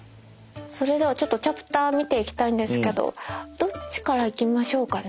それではちょっとチャプター見ていきたいんですけどどっちから行きましょうかね。